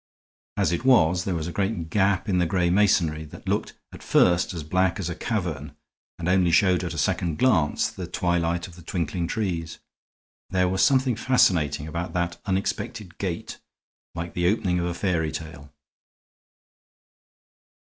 As it was, there was a great gap in the gray masonry that looked at first as black as a cavern and only showed at a second glance the twilight of the twinkling trees. There was something fascinating about that unexpected gate, like the opening of a fairy tale.